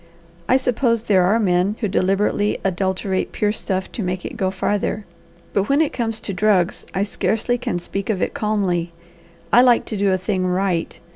I suppose there are men who deliberately adulterate pure stuff to make it go farther, but when it comes to drugs, I scarcely can speak of it calmly. I like to do a thing right.